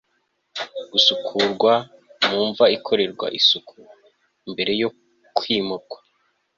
gukurwa mu mva ikorerwa isuku mbere yo kwimurwa